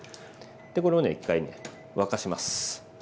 これを１回ね沸かします。